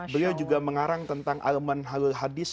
beliau juga mengarang tentang alman halul hadis